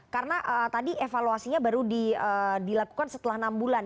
karena ee tadi evaluasinya baru di ee dilakukan setelah enam bulan